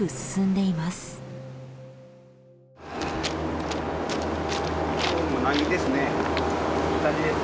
いい感じですか？